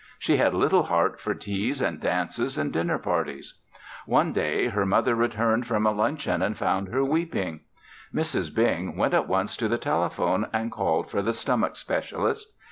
She had little heart for teas and dances and dinner parties. One day, her mother returned from a luncheon and found her weeping. Mrs. Bing went at once to the telephone and called for the stomach specialist.